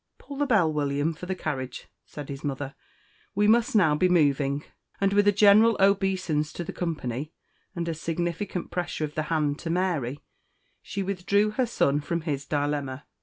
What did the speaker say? "Pull the bell, William, for the carriage," said his mother; "we must now be moving." And with a general obeisance to the company, and a significant pressure of the hand to Mary, she withdrew her son from his dilemma.